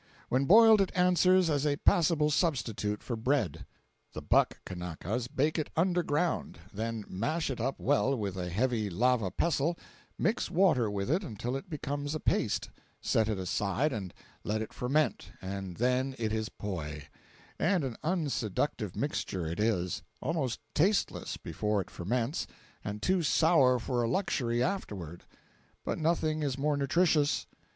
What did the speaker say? When boiled it answers as a passable substitute for bread. The buck Kanakas bake it under ground, then mash it up well with a heavy lava pestle, mix water with it until it becomes a paste, set it aside and let if ferment, and then it is poi—and an unseductive mixture it is, almost tasteless before it ferments and too sour for a luxury afterward. But nothing is more nutritious.